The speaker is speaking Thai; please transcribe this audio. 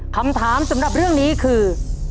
คำถามสำหรับเรื่องนี้คือ